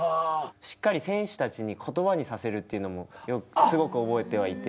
しっかり選手たちに言葉にさせるっていうのもすごく覚えてはいて。